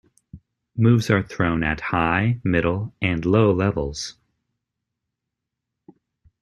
Moves are thrown at high, middle, and low levels.